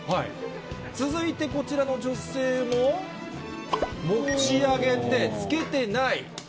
続いてこちらの女性も、持ち上げてつけてない。